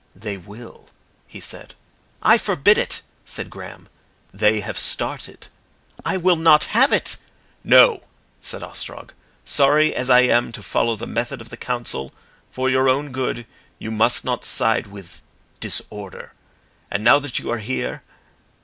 "They will," he said. "I forbid it," said Graham. "They have started." "I will not have it." "No," said Ostrog. "Sorry as I am to follow the method of the Council . For your own good you must not side with Disorder. And now that you are here